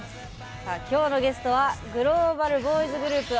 今日のゲストはグローバルボーイズグループ